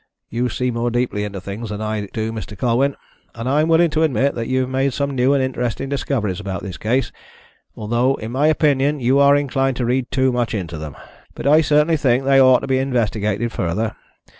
You see more deeply into things than I do, Mr. Colwyn. And I'm willing to admit that you've made some new and interesting discoveries about this case, though in my opinion you are inclined to read too much into them. But I certainly think they ought to be investigated further.